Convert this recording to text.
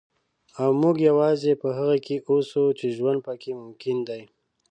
او موږ یوازې په هغه کې اوسو چې ژوند پکې ممکن دی.